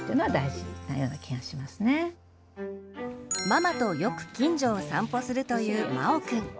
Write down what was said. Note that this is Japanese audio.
ママとよく近所を散歩するというまおくん。